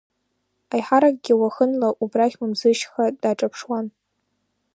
Аиҳаракгьы уахынла убрахь Мамзышьха даҿаԥшуан.